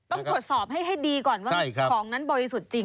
ต้องตรวจสอบให้ดีก่อนว่าของนั้นบริสุทธิ์จริง